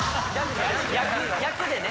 役でね。